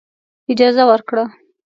اجازه ورکړه.